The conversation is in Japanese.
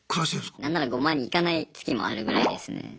何なら５万にいかない月もあるぐらいですね。